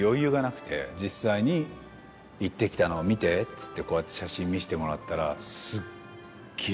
実際に行ってきたのを「見て」っつってこうやって写真見してもらったらすっげぇ